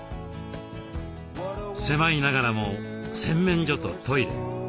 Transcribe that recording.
狭いながらも洗面所とトイレ